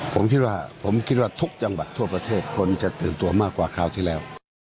ผมคิดว่าผมคิดว่าทุกจังหวัดทั่วประเทศคนจะตื่นตัวมากกว่าคราวที่แล้ว